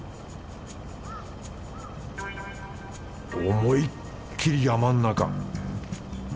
思いっきり山ん中